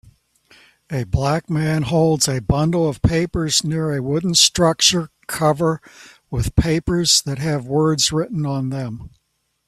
A black man holds a bundle of papers near a wooden structure cover with papers that have words written on them